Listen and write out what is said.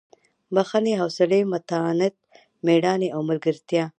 بښنې حوصلې متانت مېړانې او ملګرتیا.